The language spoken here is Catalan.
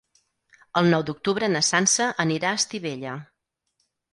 El nou d'octubre na Sança anirà a Estivella.